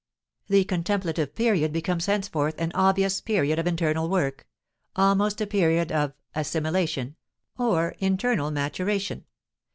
The contemplative period becomes henceforth an obvious "period of internal work," almost a period of "assimilation" or "internal maturation."